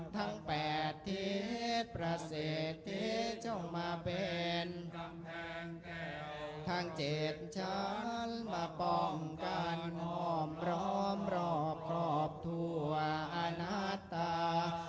ทั้งแปดทิศประสิทธิ์จงมาเป็นกำแพงแก่วทั้งเจ็ดชาลมาป้องกันหอมรอบรอบครอบทั่วอาณาตรา